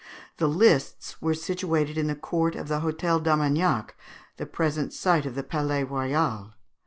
The lists were situated in the court of the Hôtel d'Armagnac, the present site of the Palais Royal.